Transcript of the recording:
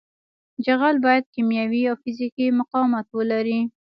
جغل باید کیمیاوي او فزیکي مقاومت ولري